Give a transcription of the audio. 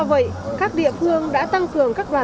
do vậy các địa phương đã tăng cường các đoàn thực phẩm